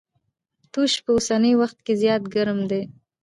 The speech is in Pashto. توس په اوسني وخت کي زيات ګرم دی.